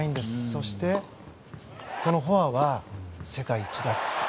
そしてこのフォアは世界一だと。